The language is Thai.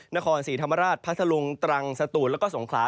นครศรีธรรมราชพัทธลุงตรังสตูนแล้วก็สงขลา